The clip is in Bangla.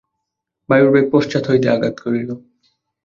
বায়ুর বেগ পশ্চাৎ হইতে আঘাত করিল।